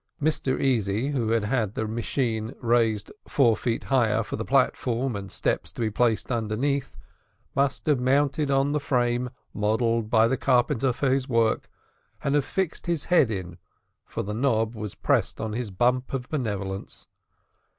Mr Easy, who had had the machine raised four feet higher, for the platform and steps to be placed underneath, must have mounted on the frame modelled by the carpenter for his work, and have fixed his head in, for the knob was pressed on his bump of benevolence.